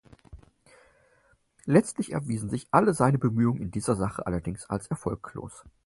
Letztlich erwiesen sich alle seine Bemühungen in dieser Sache allerdings als erfolglos.